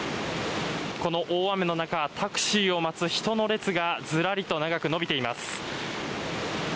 この大雨の中タクシーを待つ人の列がズラリと長く伸びています。